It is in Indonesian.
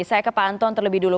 saya ke pak anton terlebih dulu